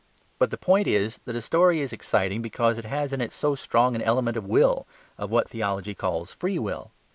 But the point is that a story is exciting because it has in it so strong an element of will, of what theology calls free will.